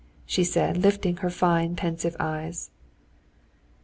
she said, lifting her fine pensive eyes.